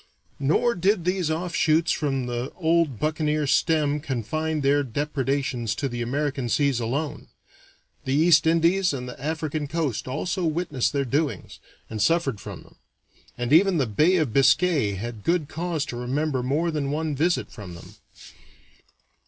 Nor did these offshoots from the old buccaneer stem confine their depredations to the American seas alone; the East Indies and the African coast also witnessed their doings, and suffered from them, and even the Bay of Biscay had good cause to remember more than one visit from them.